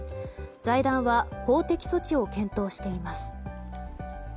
財団は法的措置を検討しています。